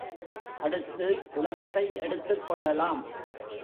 அடுத்து உலகத்தை எடுத்துக்கொள்ளலாம்.